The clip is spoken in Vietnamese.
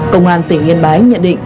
công an tỉnh yên bái nhận định